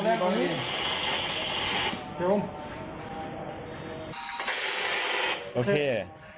ป่าวแรกนี่